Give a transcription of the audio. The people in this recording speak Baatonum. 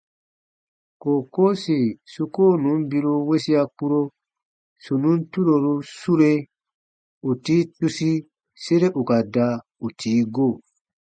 Kookoo sì su koo nùn biru wesia kpuro, sù nùn turoru sure, ù tii tusi sere ù ka da ù tii go.